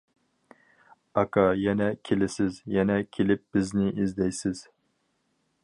ئاكا، يەنە كېلىسىز، يەنە كېلىپ بىزنى ئىزدەيسىز.